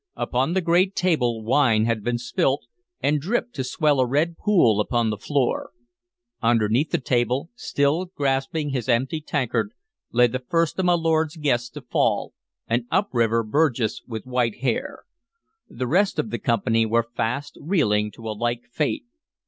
Upon the great table wine had been spilt, and dripped to swell a red pool upon the floor. Underneath the table, still grasping his empty tankard, lay the first of my lord's guests to fall, an up river Burgess with white hair. The rest of the company were fast reeling to a like fate.